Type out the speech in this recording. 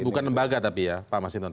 bukan lembaga tapi ya pak mas hinton